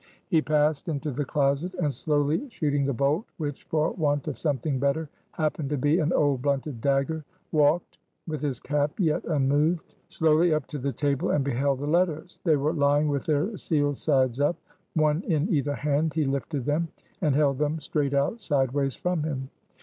He passed into the closet, and slowly shooting the bolt which, for want of something better, happened to be an old blunted dagger walked, with his cap yet unmoved, slowly up to the table, and beheld the letters. They were lying with their sealed sides up; one in either hand, he lifted them; and held them straight out sideways from him.